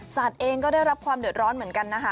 เองก็ได้รับความเดือดร้อนเหมือนกันนะคะ